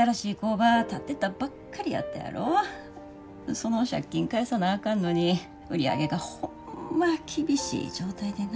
その借金返さなあかんのに売り上げがホンマ厳しい状態でな。